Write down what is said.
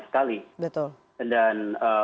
sekali betul dan